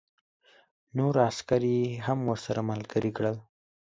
نور عسکر یې هم ورسره ملګري کړل